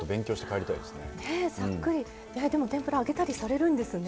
ねえさっくりでも天ぷら揚げたりされるんですね。